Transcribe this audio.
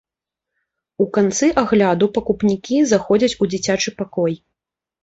У канцы агляду пакупнікі заходзяць у дзіцячы пакой.